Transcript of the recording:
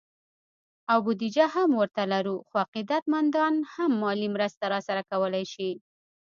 او بودیجه هم ورته لرو، خو عقیدت مندان هم مالي مرسته راسره کولی شي